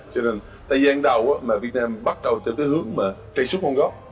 cho nên tại gian đầu mà việt nam bắt đầu từ cái hướng mà trây xuất nguồn gốc